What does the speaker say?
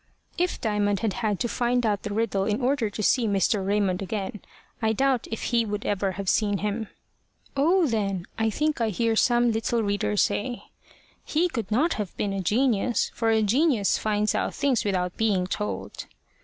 If Diamond had had to find out the riddle in order to see Mr. Raymond again, I doubt if he would ever have seen him. "Oh then," I think I hear some little reader say, "he could not have been a genius, for a genius finds out things without being told."